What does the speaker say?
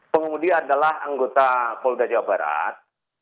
pengumudi adalah anggota polda jawa barat